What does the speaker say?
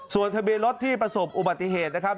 ส่วนทะเบียนรถที่ประสบอุบัติเหตุนะครับ